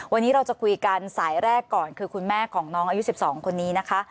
วันนี้เราจะคุยกันสายแรกก่อนคือคุณแม่ของน้องอายุ๑๒คนนี้นะคะ